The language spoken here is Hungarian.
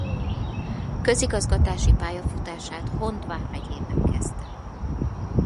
Közigazgatási pályafutását Hont vármegyében kezdte.